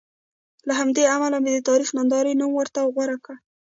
له همدې امله مې د تاریخ ننداره نوم ورته غوره کړ.